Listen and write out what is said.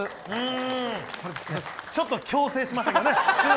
ちょっと強制しましたけどね。